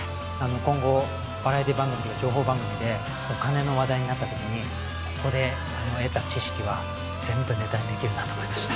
今後バラエティー番組とか情報番組でお金の話題になったときにここで得た知識は全部ネタにできるなと思いました